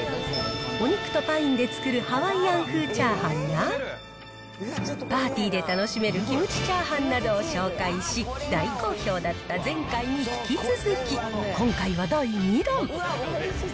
お肉とパインで作るハワイアン風チャーハンや、パーティーで楽しめるキムチチャーハンなどを紹介し、大好評だった前回に引き続き、今回は第２弾。